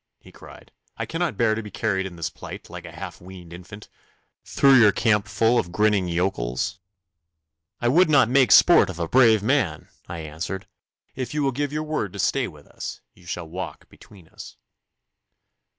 he cried. 'I cannot bear to be carried in this plight, like a half weaned infant, through your campful of grinning yokels.' 'I would not make sport of a brave man,' I answered. 'If you will give your word to stay with us, you shall walk between us.